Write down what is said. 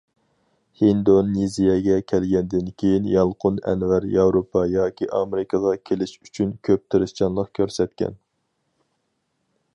ھىندونېزىيەگە كەلگەندىن كېيىن يالقۇن ئەنۋەر ياۋروپا ياكى ئامېرىكىغا كېلىش ئۈچۈن كۆپ تىرىشچانلىق كۆرسەتكەن.